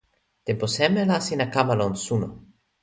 tenpo seme la sina kama lon suno?